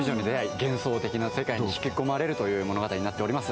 幻想的な世界に引き込まれるという世界になっております。